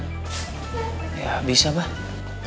yah bisa bang